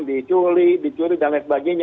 diculik dicuri dan lain sebagainya